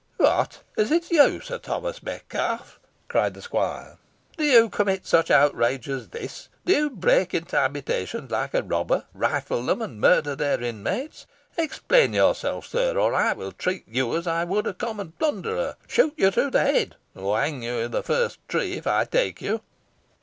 "What! is it you, Sir Thomas Metcalfe?" cried the squire. "Do you commit such outrages as this do you break into habitations like a robber, rifle them, and murder their inmates? Explain yourself, sir, or I will treat you as I would a common plunderer; shoot you through the head, or hang you to the first tree if I take you."